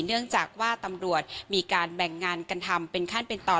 เนื่องจากว่าตำรวจมีการแบ่งงานกันทำเป็นขั้นเป็นต่อ